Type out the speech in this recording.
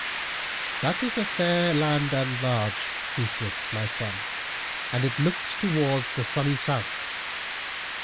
"That is a fair land and large, Theseus, my son, and it looks towards the sunny south.